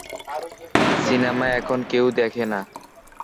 Cinema এখন কেউ দেখে না!